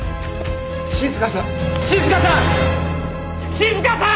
静さん！